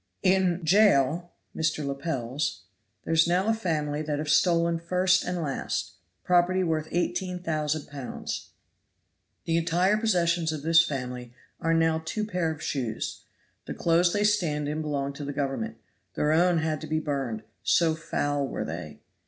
"In Jail (Mr. Lepel's), there is now a family that have stolen, first and last, property worth eighteen thousand pounds. The entire possessions of this family are now two pair of shoes. The clothes they stand in belong to Government; their own had to be burned, so foul were they.